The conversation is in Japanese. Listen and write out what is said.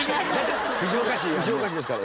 藤岡市ですから。